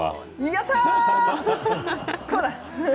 やったあ。